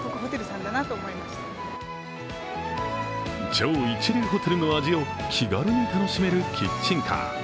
超一流ホテルの味を気軽に楽しめるキッチンカー。